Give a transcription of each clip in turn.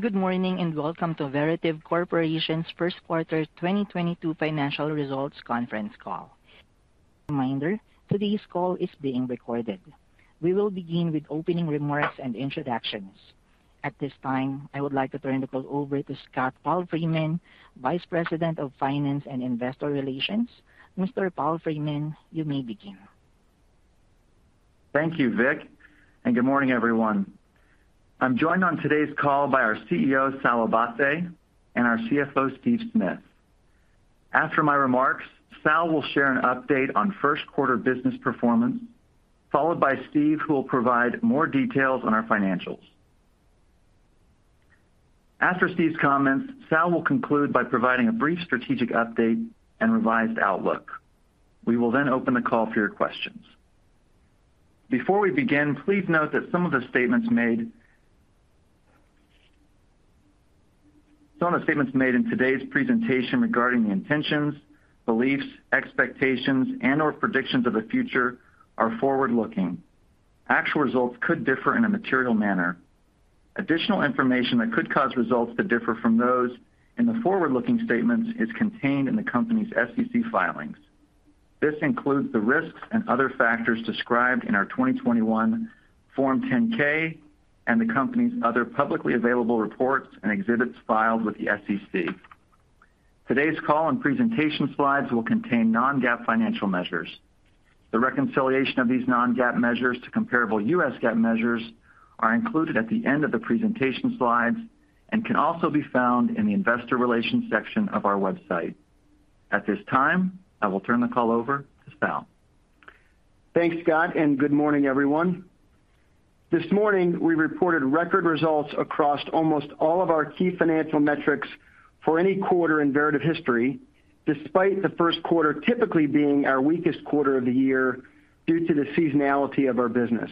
Good morning, and welcome to Veritiv Corporation's first quarter 2022 financial results conference call. Reminder, today's call is being recorded. We will begin with opening remarks and introductions. At this time, I would like to turn the call over to Scott Palfreeman, Vice President of Finance and Investor Relations. Mr. Palfreeman, you may begin. Thank you, Vic, and good morning, everyone. I'm joined on today's call by our CEO, Sal Abbate, and our CFO, Steve Smith. After my remarks, Sal will share an update on first quarter business performance, followed by Steve, who will provide more details on our financials. After Steve's comments, Sal will conclude by providing a brief strategic update and revised outlook. We will then open the call for your questions. Before we begin, please note that some of the statements made in today's presentation regarding the intentions, beliefs, expectations, and/or predictions of the future are forward-looking. Actual results could differ in a material manner. Additional information that could cause results to differ from those in the forward-looking statements is contained in the company's SEC filings. This includes the risks and other factors described in our 2021 Form 10-K and the company's other publicly available reports and exhibits filed with the SEC. Today's call and presentation slides will contain non-GAAP financial measures. The reconciliation of these non-GAAP measures to comparable U.S. GAAP measures are included at the end of the presentation slides and can also be found in the investor relations section of our website. At this time, I will turn the call over to Sal. Thanks, Scott, and good morning, everyone. This morning, we reported record results across almost all of our key financial metrics for any quarter in Veritiv history, despite the first quarter typically being our weakest quarter of the year due to the seasonality of our business.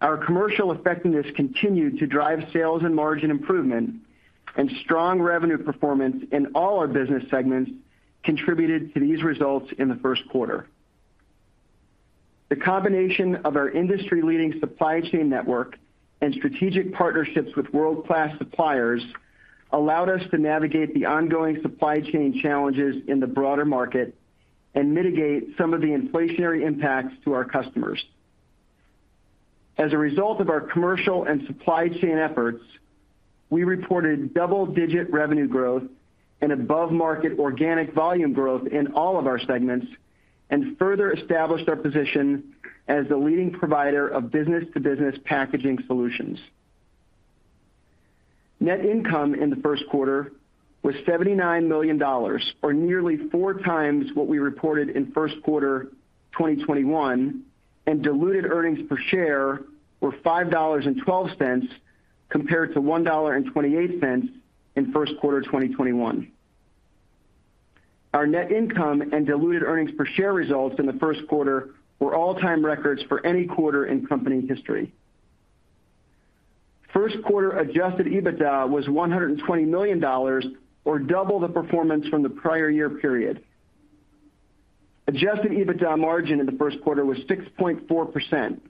Our commercial effectiveness continued to drive sales and margin improvement, and strong revenue performance in all our business segments contributed to these results in the first quarter. The combination of our industry-leading supply chain network and strategic partnerships with world-class suppliers allowed us to navigate the ongoing supply chain challenges in the broader market and mitigate some of the inflationary impacts to our customers. As a result of our commercial and supply chain efforts, we reported double-digit revenue growth and above-market organic volume growth in all of our segments and further established our position as the leading provider of business-to-business packaging solutions. Net income in the first quarter was $79 million, or nearly four times what we reported in first quarter 2021, and diluted earnings per share were $5.12 compared to $1.28 in first quarter 2021. Our net income and diluted earnings per share results in the first quarter were all-time records for any quarter in company history. First quarter Adjusted EBITDA was $120 million or double the performance from the prior year period. Adjusted EBITDA margin in the first quarter was 6.4%,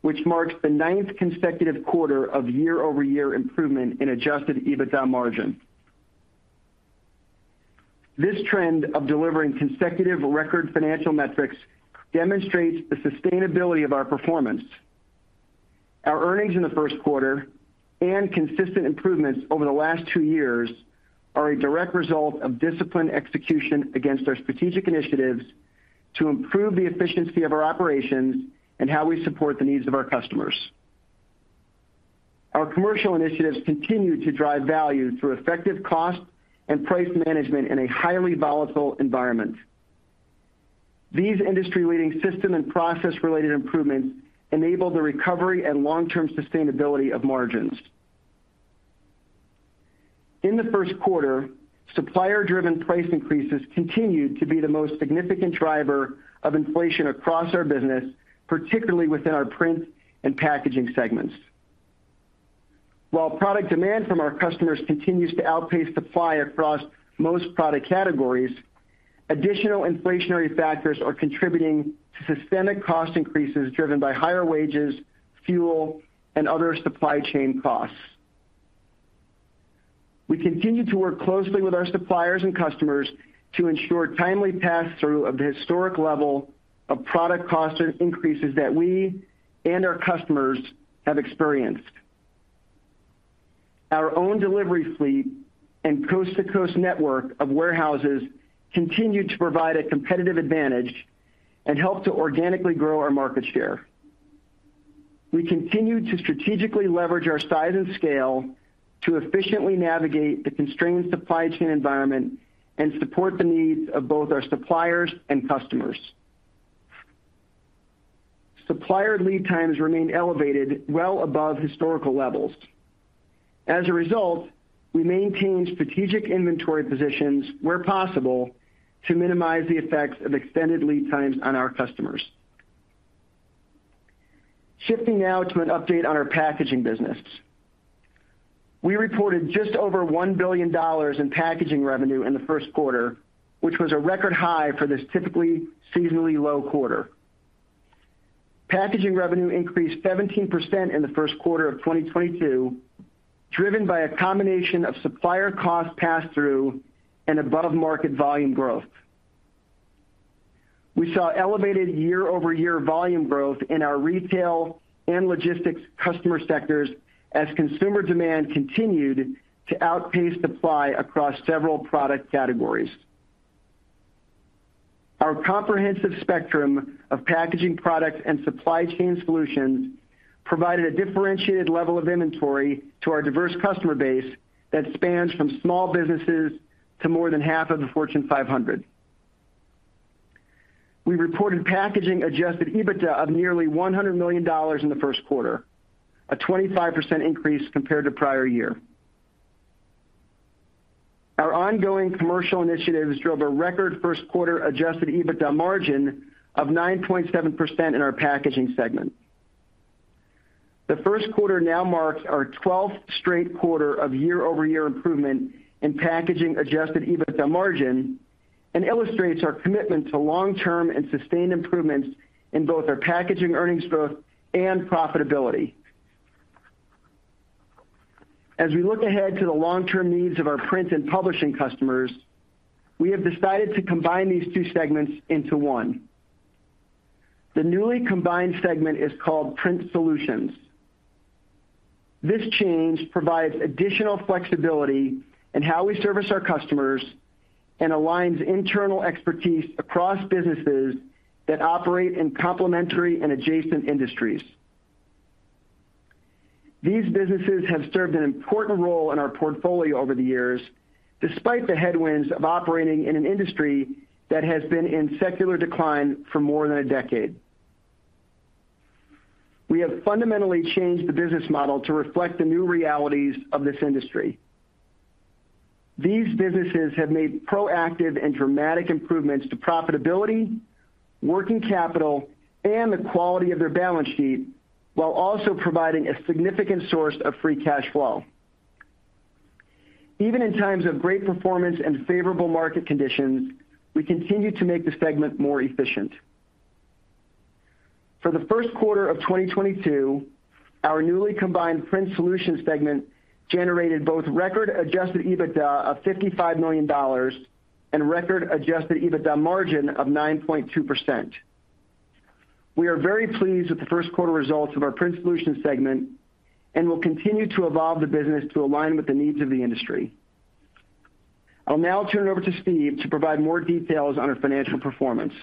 which marks the ninth consecutive quarter of year-over-year improvement in Adjusted EBITDA margin. This trend of delivering consecutive record financial metrics demonstrates the sustainability of our performance. Our earnings in the first quarter and consistent improvements over the last two years are a direct result of disciplined execution against our strategic initiatives to improve the efficiency of our operations and how we support the needs of our customers. Our commercial initiatives continue to drive value through effective cost and price management in a highly volatile environment. These industry-leading system and process-related improvements enable the recovery and long-term sustainability of margins. In the first quarter, supplier-driven price increases continued to be the most significant driver of inflation across our business, particularly within our print and packaging segments. While product demand from our customers continues to outpace supply across most product categories, additional inflationary factors are contributing to systemic cost increases driven by higher wages, fuel, and other supply chain costs. We continue to work closely with our suppliers and customers to ensure timely pass-through of the historic level of product cost increases that we and our customers have experienced. Our own delivery fleet and coast-to-coast network of warehouses continue to provide a competitive advantage and help to organically grow our market share. We continue to strategically leverage our size and scale to efficiently navigate the constrained supply chain environment and support the needs of both our suppliers and customers. Supplier lead times remain elevated well above historical levels. As a result, we maintain strategic inventory positions where possible to minimize the effects of extended lead times on our customers. Shifting now to an update on our Packaging business. We reported just over $1 billion in Packaging revenue in the first quarter, which was a record high for this typically seasonally low quarter. Packaging revenue increased 17% in the first quarter of 2022, driven by a combination of supplier cost pass-through and above-market volume growth. We saw elevated year-over-year volume growth in our retail and logistics customer sectors as consumer demand continued to outpace supply across several product categories. Our comprehensive spectrum of packaging products and supply chain solutions provided a differentiated level of inventory to our diverse customer base that spans from small businesses to more than half of the Fortune 500. We reported packaging Adjusted EBITDA of nearly $100 million in the first quarter, a 25% increase compared to prior year. Our ongoing commercial initiatives drove a record first quarter Adjusted EBITDA margin of 9.7% in our packaging segment. The first quarter now marks our 12th straight quarter of year-over-year improvement in packaging Adjusted EBITDA margin and illustrates our commitment to long-term and sustained improvements in both our packaging earnings growth and profitability. We look ahead to the long-term needs of our print and publishing customers. We have decided to combine these two segments into one. The newly combined segment is called Print Solutions. This change provides additional flexibility in how we service our customers and aligns internal expertise across businesses that operate in complementary and adjacent industries. These businesses have served an important role in our portfolio over the years, despite the headwinds of operating in an industry that has been in secular decline for more than a decade. We have fundamentally changed the business model to reflect the new realities of this industry. These businesses have made proactive and dramatic improvements to profitability, working capital, and the quality of their balance sheet, while also providing a significant source of free cash flow. Even in times of great performance and favorable market conditions, we continue to make the segment more efficient. For the first quarter of 2022, our newly combined Print Solutions segment generated both record Adjusted EBITDA of $55 million and record Adjusted EBITDA margin of 9.2%. We are very pleased with the first quarter results of our Print Solutions segment and will continue to evolve the business to align with the needs of the industry. I'll now turn it over to Steve to provide more details on our financial performance.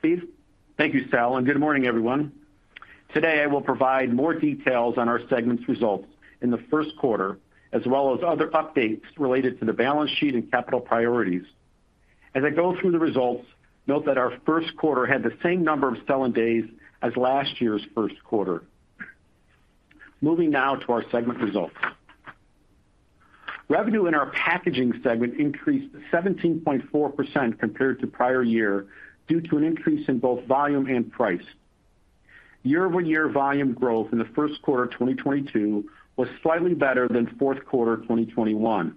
Steve? Thank you, Sal, and good morning, everyone. Today, I will provide more details on our segment's results in the first quarter, as well as other updates related to the balance sheet and capital priorities. As I go through the results, note that our first quarter had the same number of selling days as last year's first quarter. Moving now to our segment results. Revenue in our Packaging segment increased 17.4% compared to prior year due to an increase in both volume and price. Year-over-year volume growth in the first quarter of 2022 was slightly better than fourth quarter of 2021.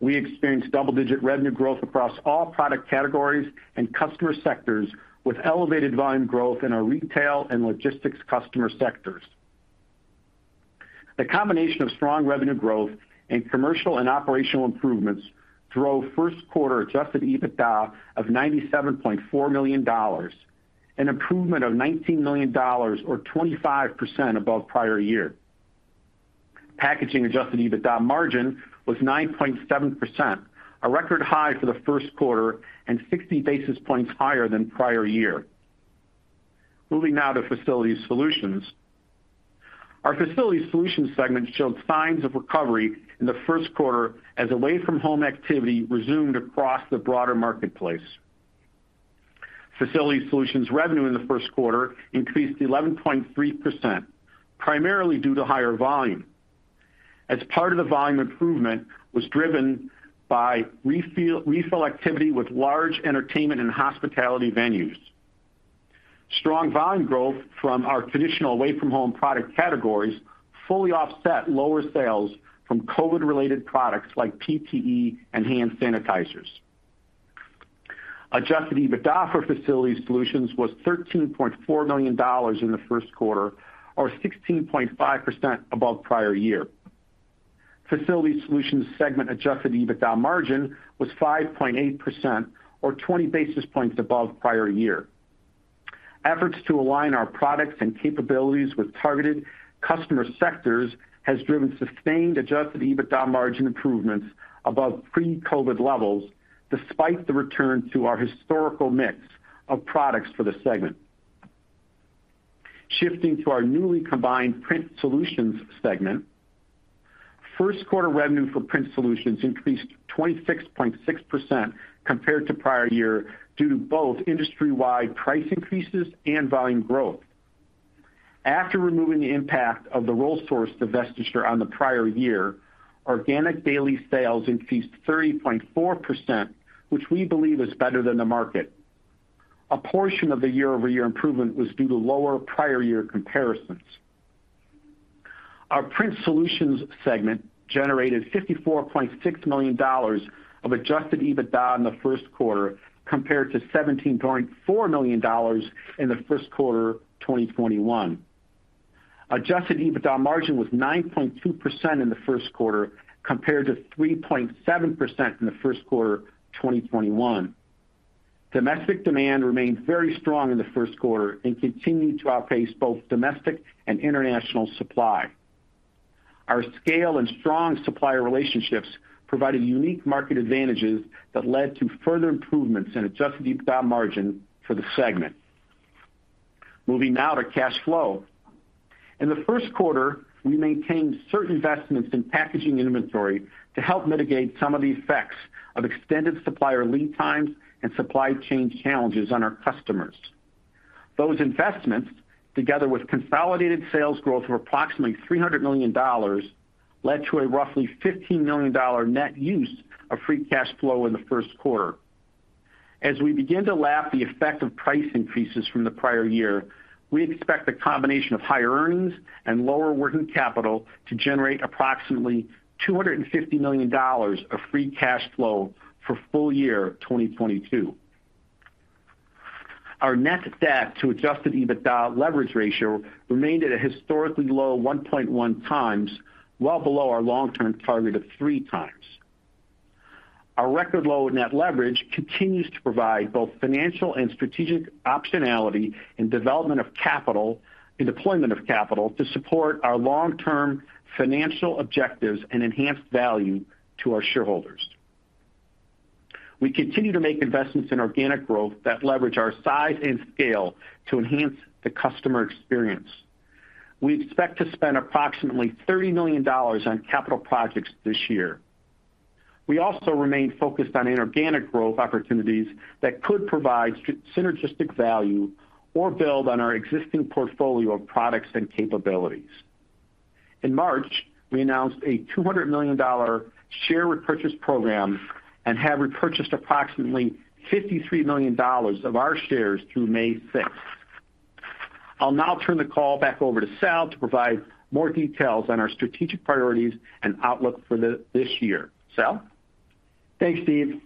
We experienced double-digit revenue growth across all product categories and customer sectors, with elevated volume growth in our retail and logistics customer sectors. The combination of strong revenue growth and commercial and operational improvements drove first quarter Adjusted EBITDA of $97.4 million, an improvement of $19 million or 25% above prior year. Packaging Adjusted EBITDA margin was 9.7%, a record high for the first quarter and 60 basis points higher than prior year. Moving now to Facility Solutions. Our Facility Solutions segment showed signs of recovery in the first quarter as away-from-home activity resumed across the broader marketplace. Facility Solutions revenue in the first quarter increased 11.3%, primarily due to higher volume, as part of the volume improvement was driven by refill activity with large entertainment and hospitality venues. Strong volume growth from our traditional away-from-home product categories fully offset lower sales from COVID-related products like PPE and hand sanitizers. Adjusted EBITDA for Facility Solutions was $13.4 million in the first quarter, or 16.5% above prior year. Facility Solutions segment adjusted EBITDA margin was 5.8%, or 20 basis points above prior year. Efforts to align our products and capabilities with targeted customer sectors has driven sustained adjusted EBITDA margin improvements above pre-COVID levels despite the return to our historical mix of products for the segment. Shifting to our newly combined Print Solutions segment, first quarter revenue for Print Solutions increased 26.6% compared to prior year due to both industry-wide price increases and volume growth. After removing the impact of the Rollsource divestiture on the prior year, organic daily sales increased 30.4%, which we believe is better than the market. A portion of the year-over-year improvement was due to lower prior year comparisons. Our Print Solutions segment generated $54.6 million of Adjusted EBITDA in the first quarter compared to $17.4 million in the first quarter 2021. Adjusted EBITDA margin was 9.2% in the first quarter compared to 3.7% in the first quarter 2021. Domestic demand remained very strong in the first quarter and continued to outpace both domestic and international supply. Our scale and strong supplier relationships provided unique market advantages that led to further improvements in Adjusted EBITDA margin for the segment. Moving now to cash flow. In the first quarter, we maintained certain investments in packaging inventory to help mitigate some of the effects of extended supplier lead times and supply chain challenges on our customers. Those investments, together with consolidated sales growth of approximately $300 million, led to a roughly $15 million net use of free cash flow in the first quarter. As we begin to lap the effect of price increases from the prior year, we expect a combination of higher earnings and lower working capital to generate approximately $250 million of free cash flow for full year of 2022. Our net debt to Adjusted EBITDA leverage ratio remained at a historically low 1.1x, well below our long-term target of 3x. Our record low net leverage continues to provide both financial and strategic optionality and the deployment of capital to support our long-term financial objectives and enhance value to our shareholders. We continue to make investments in organic growth that leverage our size and scale to enhance the customer experience. We expect to spend approximately $30 million on capital projects this year. We also remain focused on inorganic growth opportunities that could provide synergistic value or build on our existing portfolio of products and capabilities. In March, we announced a $200 million share repurchase program and have repurchased approximately $53 million of our shares through May 6. I'll now turn the call back over to Sal to provide more details on our strategic priorities and outlook for this year. Sal? Thanks, Steve.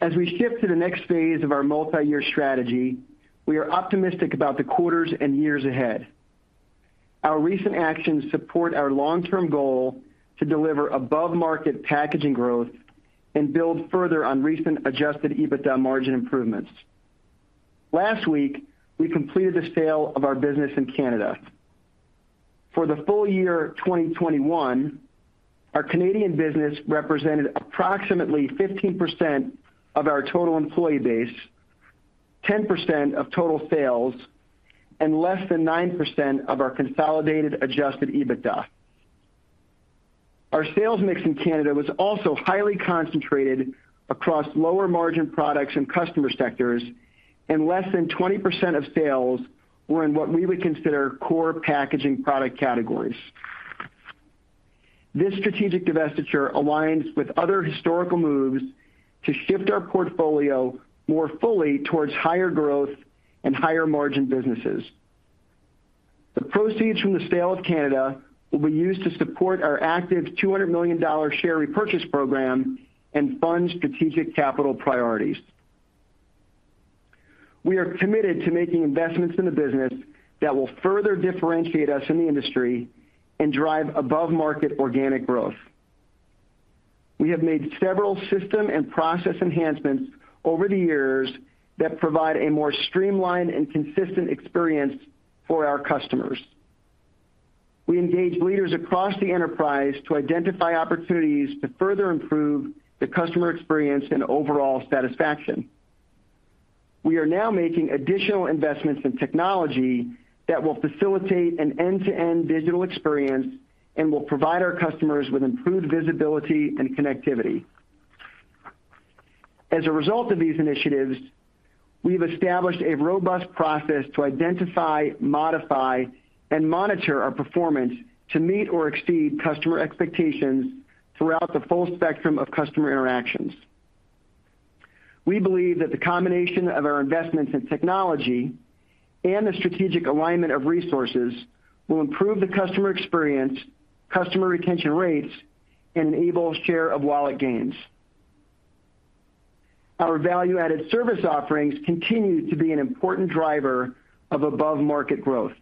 As we shift to the next phase of our multiyear strategy, we are optimistic about the quarters and years ahead. Our recent actions support our long-term goal to deliver above-market packaging growth and build further on recent Adjusted EBITDA margin improvements. Last week, we completed the sale of our business in Canada. For the full year 2021, our Canadian business represented approximately 15% of our total employee base, 10% of total sales, and less than 9% of our consolidated Adjusted EBITDA. Our sales mix in Canada was also highly concentrated across lower-margin products and customer sectors, and less than 20% of sales were in what we would consider core packaging product categories. This strategic divestiture aligns with other historical moves to shift our portfolio more fully towards higher growth and higher margin businesses. The proceeds from the sale of Canada will be used to support our active $200 million share repurchase program and fund strategic capital priorities. We are committed to making investments in the business that will further differentiate us in the industry and drive above-market organic growth. We have made several system and process enhancements over the years that provide a more streamlined and consistent experience for our customers. We engage leaders across the enterprise to identify opportunities to further improve the customer experience and overall satisfaction. We are now making additional investments in technology that will facilitate an end-to-end digital experience and will provide our customers with improved visibility and connectivity. As a result of these initiatives, we've established a robust process to identify, modify, and monitor our performance to meet or exceed customer expectations throughout the full spectrum of customer interactions. We believe that the combination of our investments in technology and the strategic alignment of resources will improve the customer experience, customer retention rates, and enable share of wallet gains. Our value-added service offerings continue to be an important driver of above-market growth.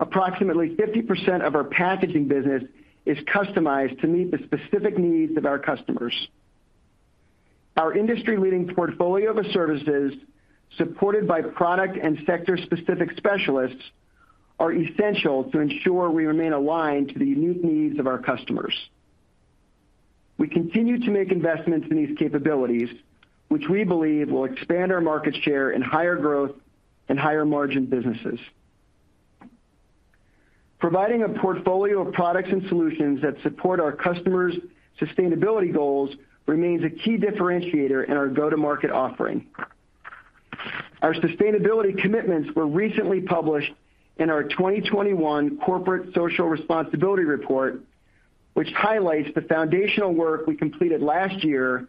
Approximately 50% of our packaging business is customized to meet the specific needs of our customers. Our industry-leading portfolio of services, supported by product and sector-specific specialists, are essential to ensure we remain aligned to the unique needs of our customers. We continue to make investments in these capabilities, which we believe will expand our market share in higher growth and higher margin businesses. Providing a portfolio of products and solutions that support our customers' sustainability goals remains a key differentiator in our go-to-market offering. Our sustainability commitments were recently published in our 2021 corporate social responsibility report, which highlights the foundational work we completed last year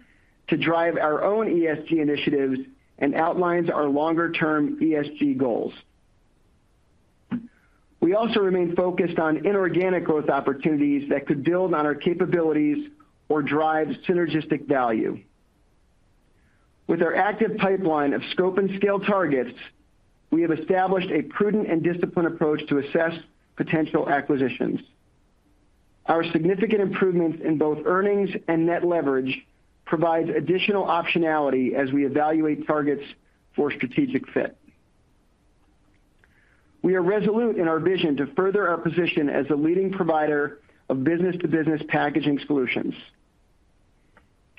to drive our own ESG initiatives and outlines our longer-term ESG goals. We also remain focused on inorganic growth opportunities that could build on our capabilities or drive synergistic value. With our active pipeline of scope and scale targets, we have established a prudent and disciplined approach to assess potential acquisitions. Our significant improvements in both earnings and net leverage provides additional optionality as we evaluate targets for strategic fit. We are resolute in our vision to further our position as a leading provider of business-to-business packaging solutions.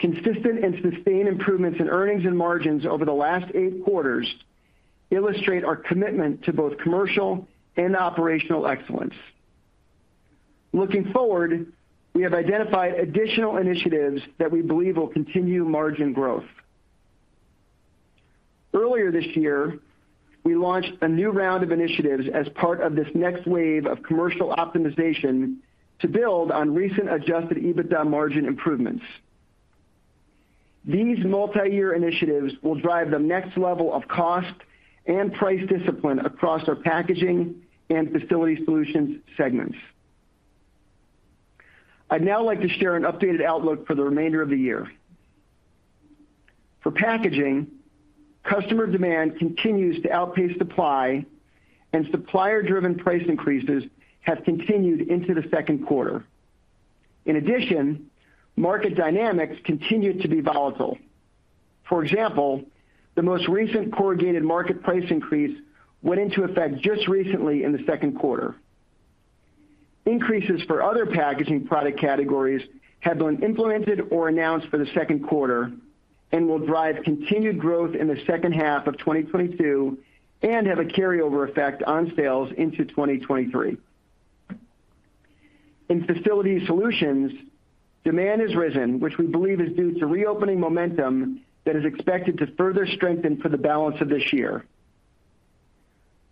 Consistent and sustained improvements in earnings and margins over the last eight quarters illustrate our commitment to both commercial and operational excellence. Looking forward, we have identified additional initiatives that we believe will continue margin growth. Earlier this year, we launched a new round of initiatives as part of this next wave of commercial optimization to build on recent Adjusted EBITDA margin improvements. These multiyear initiatives will drive the next level of cost and price discipline across our Packaging and Facility Solutions segments. I'd now like to share an updated outlook for the remainder of the year. For Packaging, customer demand continues to outpace supply, and supplier-driven price increases have continued into the second quarter. In addition, market dynamics continue to be volatile. For example, the most recent corrugated market price increase went into effect just recently in the second quarter. Increases for other packaging product categories have been implemented or announced for the second quarter and will drive continued growth in the second half of 2022 and have a carryover effect on sales into 2023. In Facility Solutions, demand has risen, which we believe is due to reopening momentum that is expected to further strengthen for the balance of this year.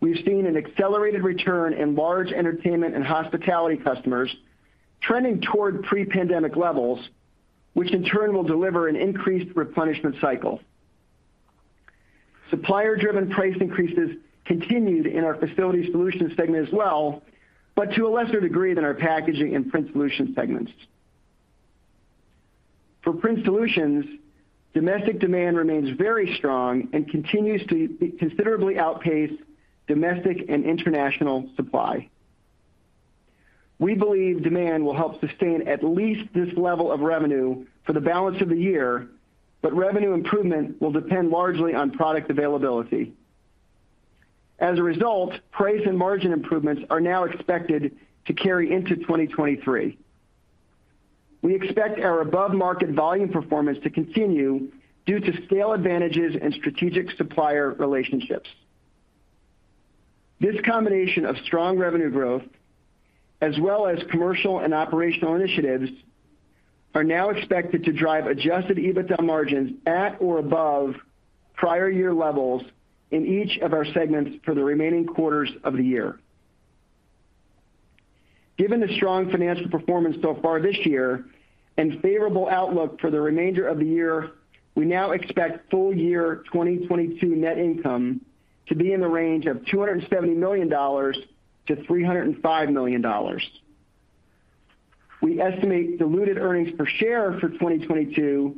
We've seen an accelerated return in large entertainment and hospitality customers trending toward pre-pandemic levels, which in turn will deliver an increased replenishment cycle. Supplier-driven price increases continued in our Facility Solutions segment as well, but to a lesser degree than our Packaging and Print Solutions segments. For Print Solutions, domestic demand remains very strong and continues to considerably outpace domestic and international supply. We believe demand will help sustain at least this level of revenue for the balance of the year, but revenue improvement will depend largely on product availability. As a result, price and margin improvements are now expected to carry into 2023. We expect our above-market volume performance to continue due to scale advantages and strategic supplier relationships. This combination of strong revenue growth as well as commercial and operational initiatives are now expected to drive Adjusted EBITDA margins at or above prior year levels in each of our segments for the remaining quarters of the year. Given the strong financial performance so far this year and favorable outlook for the remainder of the year, we now expect full year 2022 net income to be in the range of $270 million-$305 million. We estimate diluted earnings per share for 2022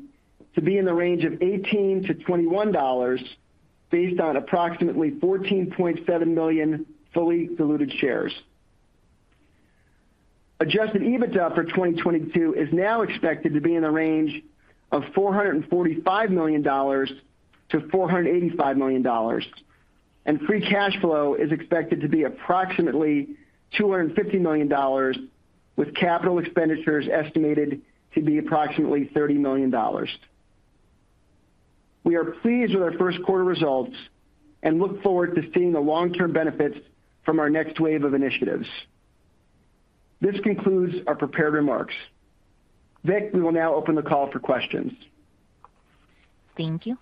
to be in the range of $18-$21 based on approximately 14.7 million fully diluted shares. Adjusted EBITDA for 2022 is now expected to be in the range of $445 million-$485 million, and free cash flow is expected to be approximately $250 million, with capital expenditures estimated to be approximately $30 million. We are pleased with our first quarter results and look forward to seeing the long-term benefits from our next wave of initiatives. This concludes our prepared remarks. Vic, we will now open the call for questions. Thank you.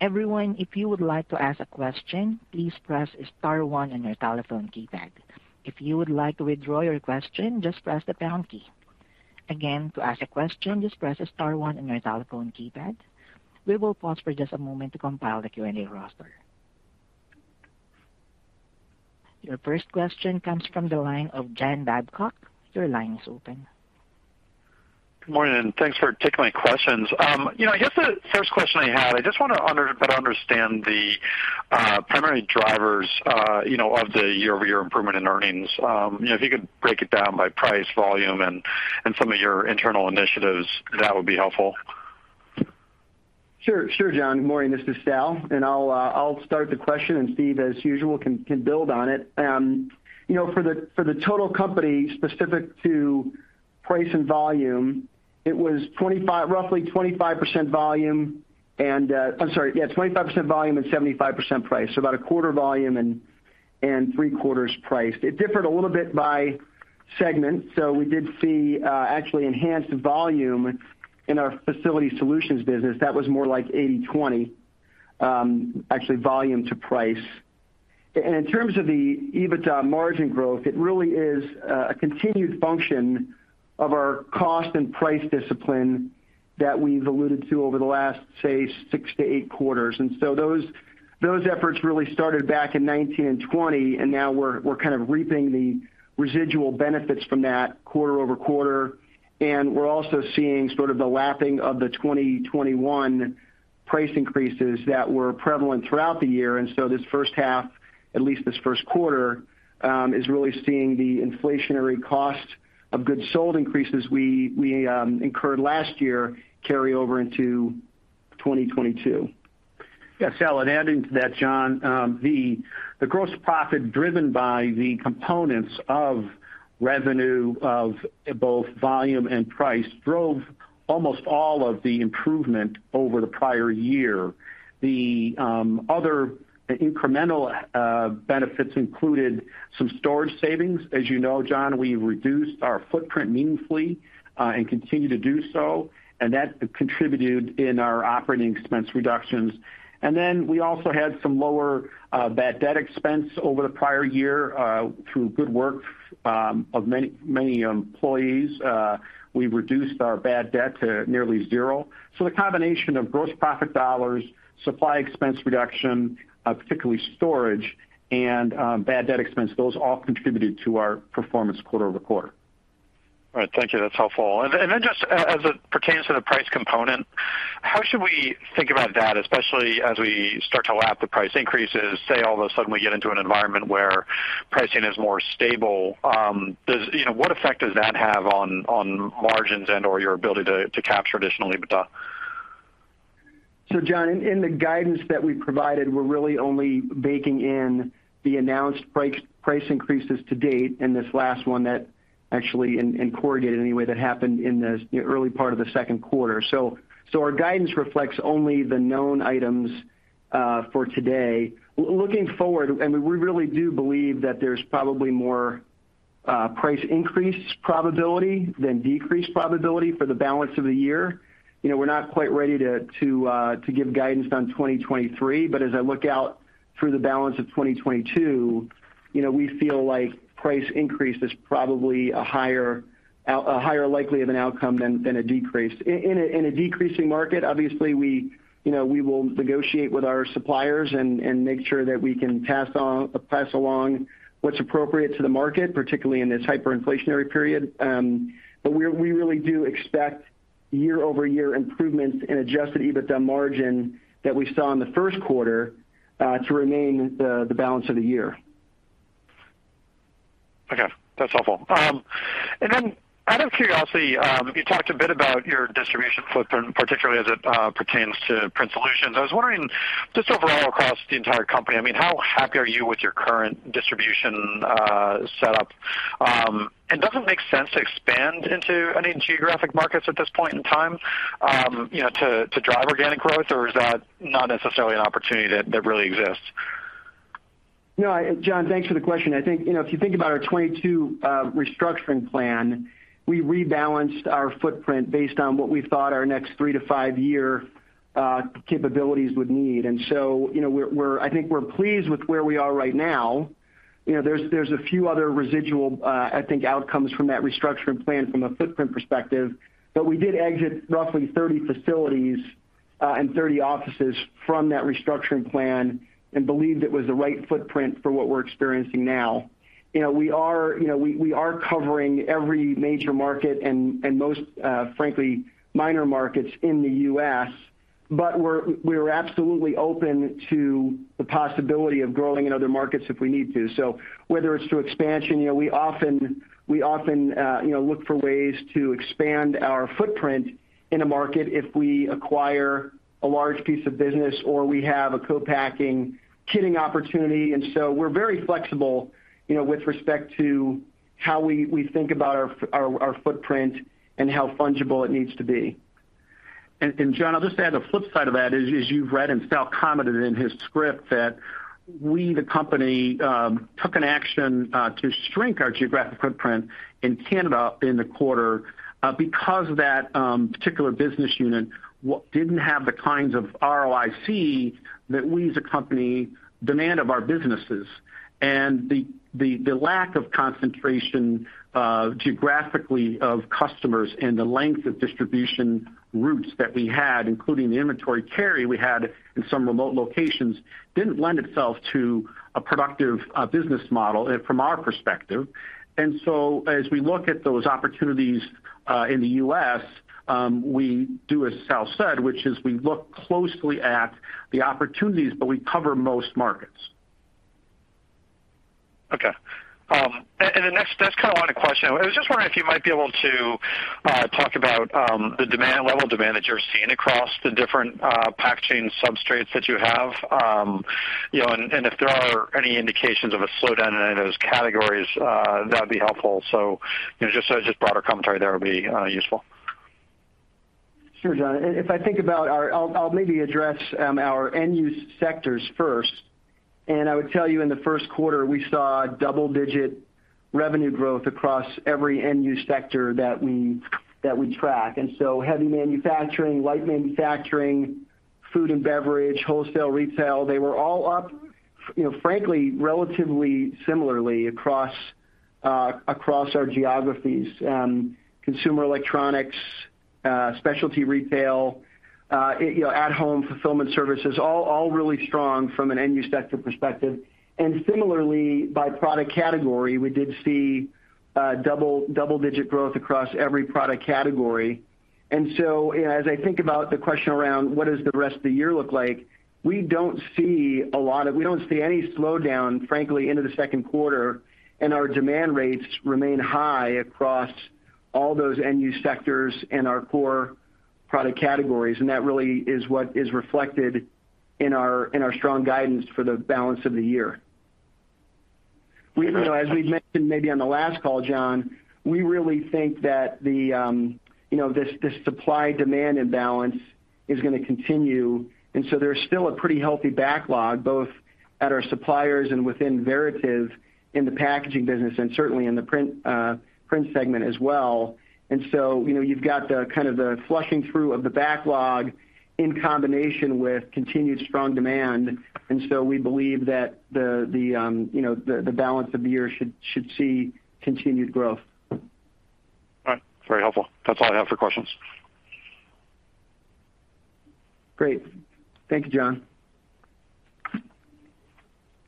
Everyone, if you would like to ask a question, please press star one on your telephone keypad. If you would like to withdraw your question, just press the pound key. Again, to ask a question, just press star one on your telephone keypad. We will pause for just a moment to compile the Q&A roster. Your first question comes from the line of John Babcock. Your line is open. Good morning, and thanks for taking my questions. You know, I guess the first question I had, I just wanna better understand the primary drivers, you know, of the year-over-year improvement in earnings. You know, if you could break it down by price, volume, and some of your internal initiatives, that would be helpful. Sure. Sure, John. Morning, this is Sal, and I'll start the question, and Steve, as usual, can build on it. You know, for the total company specific to price and volume, it was 25-- roughly 25% volume and, I'm sorry. Yeah, 25% volume and 75% price, so about a quarter volume and three quarters price. It differed a little bit by segment. We did see actually enhanced volume in our Facility Solutions business. That was more like 80/20, actually volume to price. In terms of the EBITDA margin growth, it really is a continued function of our cost and price discipline that we've alluded to over the last, say, six to eight quarters. Those efforts really started back in 2019 and 2020, and now we're kind of reaping the residual benefits from that quarter-over-quarter. We're also seeing sort of the lapping of the 2021 price increases that were prevalent throughout the year. So this first half, at least this first quarter, is really seeing the inflationary cost of goods sold increases we incurred last year carry over into 2022. Yes. Sal, adding to that, John, the gross profit driven by the components of revenue of both volume and price drove almost all of the improvement over the prior year. The other incremental benefits included some storage savings. As you know, John, we reduced our footprint meaningfully and continue to do so, and that contributed to our operating expense reductions. We also had some lower bad debt expense over the prior year through good work of many employees. We reduced our bad debt to nearly zero. The combination of gross profit dollars, supply expense reduction, particularly storage and bad debt expense, those all contributed to our performance quarter-over-quarter. All right. Thank you. That's helpful. Just as it pertains to the price component, how should we think about that, especially as we start to lap the price increases? Say all of a sudden we get into an environment where pricing is more stable. You know, what effect does that have on margins and/or your ability to capture additional EBITDA? John, in the guidance that we provided, we're really only baking in the announced price increases to date. This last one that actually in corrugated anyway happened in the early part of the second quarter. So, our guidance reflects only the known items for today. Looking forward, we really do believe that there's probably more price increase probability than decrease probability for the balance of the year. You know, we're not quite ready to give guidance on 2023, but as I look out through the balance of 2022, you know, we feel like price increase is probably a higher likelihood of an outcome than a decrease. In a decreasing market obviously, you know, we will negotiate with our suppliers and make sure that we can pass along what's appropriate to the market, particularly in this hyperinflationary period. We really do expect year-over-year improvements in adjusted EBITDA margin that we saw in the first quarter to remain the balance of the year. Okay, that's helpful. And then out of curiosity, you talked a bit about your distribution footprint, particularly as it pertains to Print Solutions. I was wondering just overall across the entire company, I mean, how happy are you with your current distribution setup? Does it make sense to expand into any geographic markets at this point in time, you know, to drive organic growth? Or is that not necessarily an opportunity that really exists? No, John, thanks for the question. I think, you know, if you think about our 2022 restructuring plan, we rebalanced our footprint based on what we thought our next three to five year capabilities would need. So, you know, we're pleased with where we are right now. You know, there's a few other residual, I think outcomes from that restructuring plan from a footprint perspective. We did exit roughly 30 facilities and 30 offices from that restructuring plan and believed it was the right footprint for what we're experiencing now. You know, we are covering every major market and most frankly minor markets in the U.S., but we're absolutely open to the possibility of growing in other markets if we need to. So, whether it's through expansion, we often, you know, look for ways to expand our footprint in a market if we acquire a large piece of business or we have a co-packing kitting opportunity. We're very flexible, you know, with respect to how we think about our footprint and how fungible it needs to be. John, I'll just add, the flip side of that is, as you've read and Sal commented in his script that we, the company, took an action to shrink our geographic footprint in Canada in the quarter, because that particular business unit didn't have the kinds of ROIC that we as a company demand of our businesses. And the lack of concentration geographically of customers and the length of distribution routes that we had, including the inventory carry we had in some remote locations, didn't lend itself to a productive business model from our perspective. As we look at those opportunities in the U.S., we do as Sal said, which is we look closely at the opportunities, but we cover most markets. Okay. The next kind of line of question, I was just wondering if you might be able to talk about the demand level that you're seeing across the different packaging substrates that you have. You know, and if there are any indications of a slowdown in any of those categories, that'd be helpful. You know, just broader commentary there would be useful. Sure, John. If I think about our, I'll maybe address our end use sectors first. I would tell you in the first quarter we saw double-digit revenue growth across every end-use sector that we track. So, heavy manufacturing, light manufacturing, food and beverage, wholesale, retail, they were all up, you know, frankly, relatively similarly across our geographies. Consumer electronics, specialty retail, you know, at-home fulfillment services, all really strong from an end-use sector perspective. And similarly, by product category, we did see double-digit growth across every product category. And so as I think about the question around what does the rest of the year look like, we don't see a lot of. We don't see any slowdown, frankly, into the second quarter, and our demand rates remain high across all those end-use sectors and our core product categories. That really is what is reflected in our strong guidance for the balance of the year. You know, as we've mentioned, maybe on the last call, John, we really think that the you know, this supply-demand imbalance is gonna continue. And so there's still a pretty healthy backlog, both at our suppliers and within Veritiv in the packaging business and certainly in the print segment as well. You know, you've got the kind of the flushing through of the backlog in combination with continued strong demand. We believe that the you know, the balance of the year should see continued growth. All right. Very helpful. That's all I have for questions. Great. Thank you, John.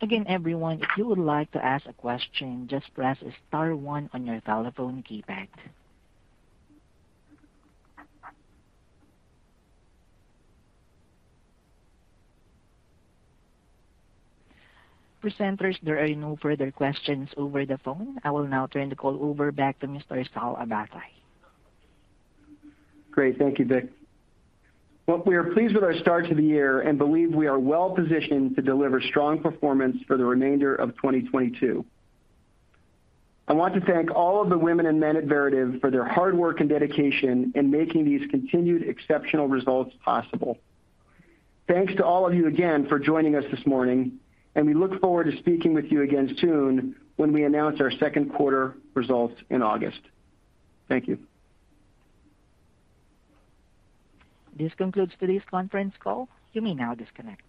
Again, everyone, if you would like to ask a question, just press star one on your telephone keypad. Presenters, there are no further questions over the phone. I will now turn the call over back to Mr. Sal Abbate. Great. Thank you, Vic. Well, we are pleased with our start to the year and believe we are well-positioned to deliver strong performance for the remainder of 2022. I want to thank all of the women and men at Veritiv for their hard work and dedication in making these continued exceptional results possible. Thanks to all of you again for joining us this morning, and we look forward to speaking with you again soon when we announce our second quarter results in August. Thank you. This concludes today's conference call. You may now disconnect.